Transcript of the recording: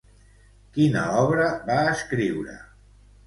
Quina obra va escriure?